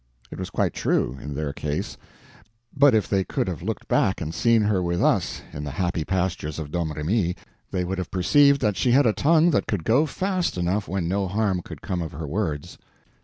It was quite true—in their case. But if they could have looked back and seen her with us in the happy pastures of Domremy, they would have perceived that she had a tongue that could go fast enough when no harm could come of her words.